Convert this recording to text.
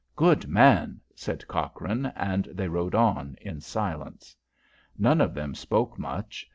"Good man!" said Cochrane, and they rode on in silence. None of them spoke much.